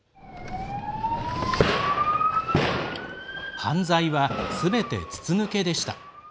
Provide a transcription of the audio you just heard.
犯罪はすべて筒抜けでした。